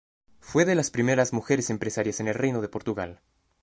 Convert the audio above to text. Fue de las primeras mujeres empresarias en el Reino de Portugal.